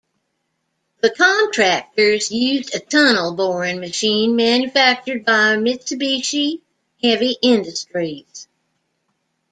The contractors used a tunnel boring machine manufactured by Mitsubishi Heavy Industries.